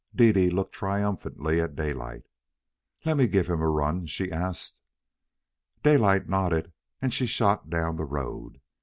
Dede looked triumphantly at Daylight. "Let me give him a run?" she asked. Daylight nodded, and she shot down the road.